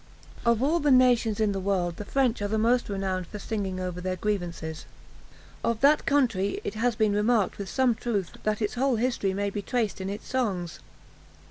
Of all the nations in the world the French are the most renowned for singing over their grievances. Of that country it has been remarked with some truth, that its whole history may be traced in its songs.